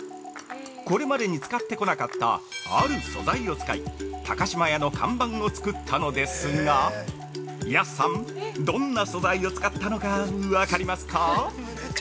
これまでに使ってこなかった「ある素材」を使い高島屋の看板を作ったのですが安さん、どんな素材を使ったのか分かりますか？